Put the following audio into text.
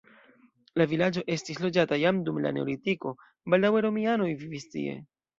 La vilaĝo estis loĝata jam dum la neolitiko, baldaŭe romianoj vivis tie.